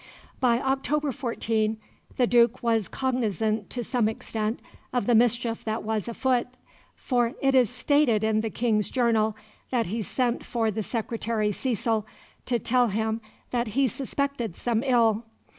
By October 14 the Duke was cognisant to some extent of the mischief that was a foot, for it is stated in the King's journal that he sent for the Secretary Cecil "to tell him that he suspected some ill.